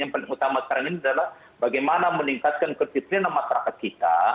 yang paling utama sekarang ini adalah bagaimana meningkatkan kedisiplinan masyarakat kita